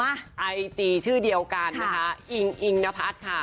ไอจีชื่อเดียวกันนะคะอิงนภัทรค่ะ